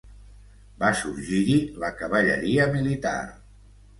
Va sorgir-hi la cavalleria militar.